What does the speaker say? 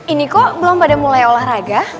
ini kok belum pada mulai olahraga